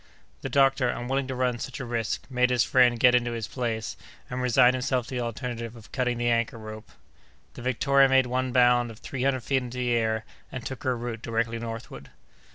The doctor, unwilling to run such a risk, made his friend get into his place, and resigned himself to the alternative of cutting the anchor rope. The Victoria made one bound of three hundred feet into the air, and took her route directly northward.